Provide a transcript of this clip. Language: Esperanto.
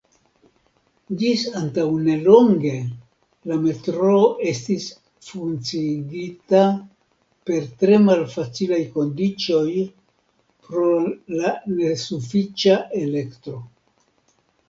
Ĝis antaŭnelonge la metroo estis funkciigita per tre malfacilaj kondiĉoj pro la nesufiĉa elektro.